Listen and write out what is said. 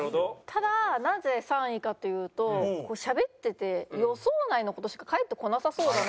ただなぜ３位かというとしゃべってて予想内の事しか返ってこなさそうだなっていう。